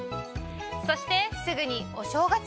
そしてすぐにお正月！